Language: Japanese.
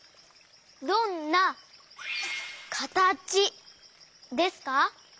どんなかたちですか？